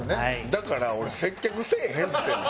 だから俺接客せえへんっつってんねん。